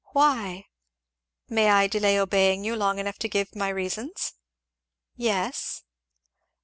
"Why?" "May I delay obeying you long enough to give my reasons?" "Yes."